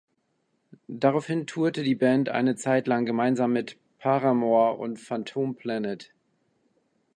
Daraufhin tourte die Band eine Zeit lang gemeinsam mit Paramore und Phantom Planet.